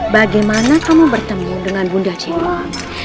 bagaimana kamu bertemu dengan bunda jiwa